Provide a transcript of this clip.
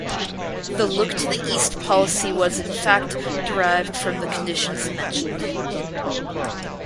The "Look to the East policy" was in fact derived from the conditions mentioned.